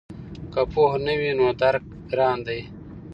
که پوهه نه وي نو درک ګران دی.